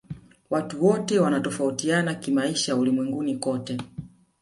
watu wote wanatofautiana kimaisha ulimwenguni kote